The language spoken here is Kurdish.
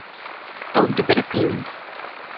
Ew dibiriqînin.